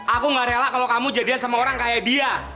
aku gak rela kalau kamu jadian sama orang kayak dia